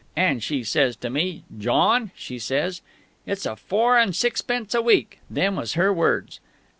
"And she says to me, 'John,' she says, 'it's four and sixpence a week' them was her words.